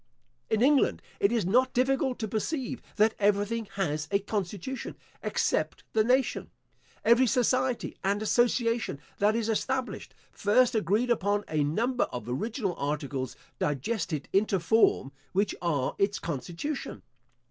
In England it is not difficult to perceive that everything has a constitution, except the nation. Every society and association that is established, first agreed upon a number of original articles, digested into form, which are its constitution.